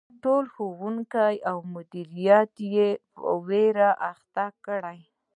ټول ښوونکي او مدیریت یې په ویر اخته کړي.